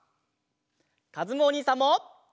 かずむおにいさんも！